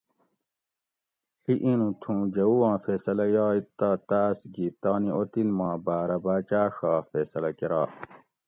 ڷی اینوں تھوں جوؤآں فیصلہ یائے تہ تاۤس گھی تانی اوطن ما باۤرہ باچاۤ ڛا فیصلہ کرا